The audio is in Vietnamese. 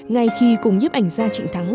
ngay khi cùng nhấp ảnh gia trịnh thắng